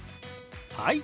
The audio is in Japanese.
はい！